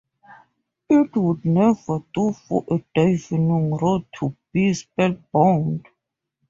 It would never do for a divining rod to bee spellbound.